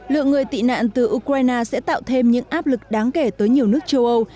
lượng người tị nạn từ ukraine sẽ tạo thêm những áp lực đáng kể tới nhiều nước châu âu